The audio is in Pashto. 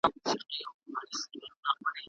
هغه وویل چې دا لېونی سړی زما د ټولو ستونزو عامل دی.